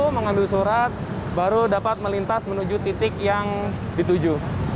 mengambil surat baru dapat melintas menuju titik yang dituju